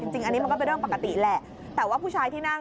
จริงนี่มันก็เป็นเรื่องปกติแหละ